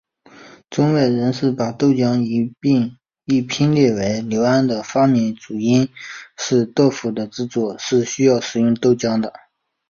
中外人士把豆浆一拼列为刘安的发明主因是豆腐的制作是需要使用豆浆的。